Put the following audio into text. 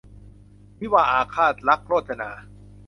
วิวาห์อาฆาต - ลักษณ์ โรจนา